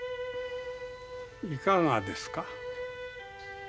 いかがですか？